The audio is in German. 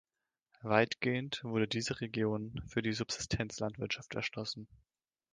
Weitgehend wurde diese Region für die Subsistenzlandwirtschaft erschlossen.